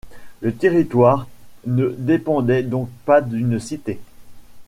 Le territoire ne dépendait donc pas d'une cité.